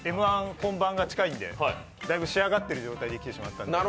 本番が近いんでだいぶ仕上がってる状態で来てしまったので。